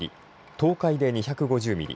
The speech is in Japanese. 東海で２５０ミリ